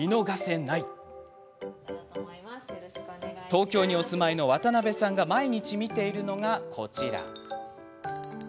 東京にお住まいの渡邊さんが毎日見ているのが、こちら。